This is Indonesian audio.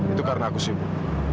itu karena aku sibuk